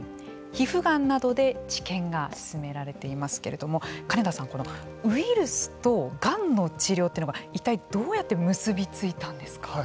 皮膚がんなどで治験が進められていますけれども金田さん、ウイルスとがんの治療というのは一体どうやって結び付いたんですか。